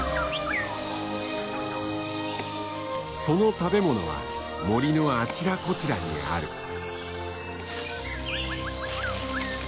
その食べ物は森のあちらこちらにある。